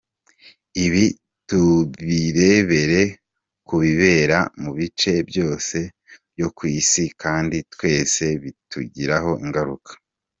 Ibi tubirebera ku bibera mu bice byose byo ku isi kandi twese bitugiraho ingaruka.